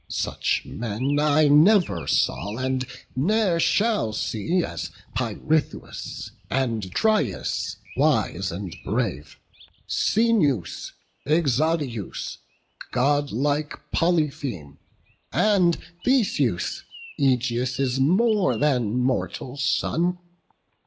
Such men I never saw, and ne'er shall see, As Pirithous and Dryas, wise and brave, Coeneus, Exadius, godlike Polypheme, And Theseus, Ægeus' more than mortal son.